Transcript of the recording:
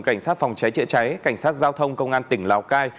cảnh sát phòng cháy chữa cháy cảnh sát giao thông công an tỉnh lào cai